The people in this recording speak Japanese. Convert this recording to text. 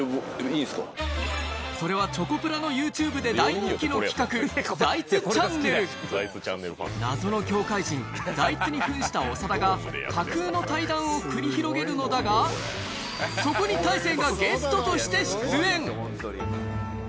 それはチョコプラのＹｏｕＴｕｂｅで大人気の企画謎の業界人財津にふんした長田が架空の対談を繰り広げるのだがそこに誰か。